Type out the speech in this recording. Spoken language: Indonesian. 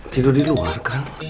tidur di luar kang